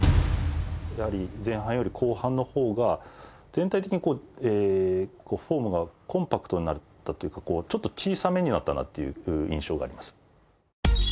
やはり前半より後半の方が全体的にフォームがコンパクトになったというかちょっと小さめになったなという印象があります。